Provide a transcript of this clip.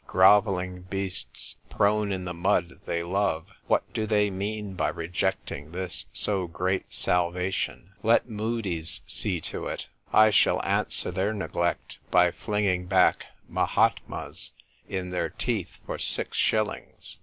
Grovelling beasts, prone in the mud they love, what do they mean by rejecting this so great salvation? Let Mudies see to it ! I shall answer their neglect by flinging back ' Mahatmas' in their teeth for six shillings.